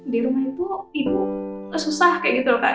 di rumah itu ibu susah kayak gitu kan